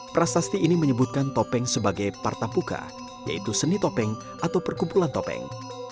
prasasti ini menyebutkan topeng sebagai partapuka yaitu seni topeng atau perkumpulan topeng